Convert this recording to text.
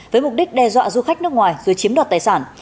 với mục đích đe dọa du khách nước ngoài dưới chiếm đoạt tài sản